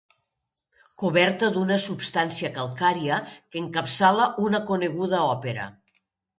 Coberta d'una substància calcària que encapçala una coneguda òpera.